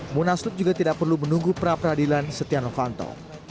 munaslup juga tidak perlu menunggu peradilan stiano fantos